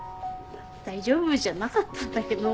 大丈夫じゃなかったんだけど。